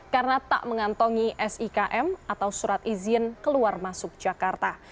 karena tak mengantongi sikm atau surat izin keluar masuk jakarta